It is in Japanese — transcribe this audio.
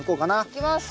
いきます。